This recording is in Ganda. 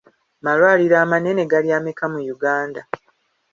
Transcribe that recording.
Malwaliro amanene gali ameka mu Uganda?